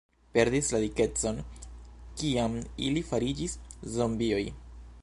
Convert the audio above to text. ... perdis la dikecon kiam ili fariĝis zombioj.